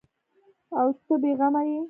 او ته بې غمه یې ؟